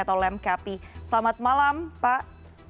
atau lemkp selamat malam pak